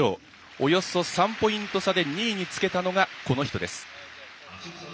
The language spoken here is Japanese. およそ３ポイント差で２位につけたのがこの人です。